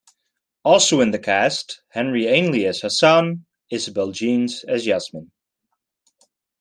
Also in the cast, Henry Ainley as Hassan, Isabel Jeans as Yasmin.